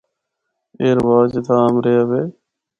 اے رواج اتھا عام رہیا وے۔